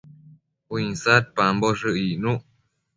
Uinsadpamboshë icnuc